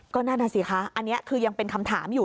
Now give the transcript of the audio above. ก็นั่นน่ะสิคะอันนี้คือยังเป็นคำถามอยู่